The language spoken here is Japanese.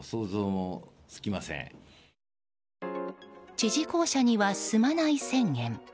知事公舎には住まない宣言。